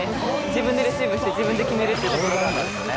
自分でレシーブして自分で決めるところは。